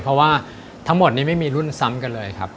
เพราะว่าทั้งหมดนี้ไม่มีรุ่นซ้ำกันเลยครับ